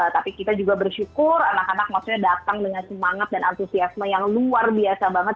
tapi kita juga bersyukur anak anak maksudnya datang dengan semangat dan antusiasme yang luar biasa banget